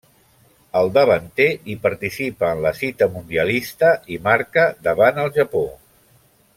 El davanter hi participa en la cita mundialista, i marca davant el Japó.